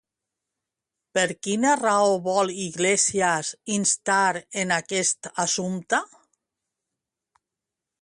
Per quina raó vol Iglesias instar en aquest assumpte?